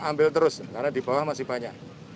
ambil terus karena di bawah masih banyak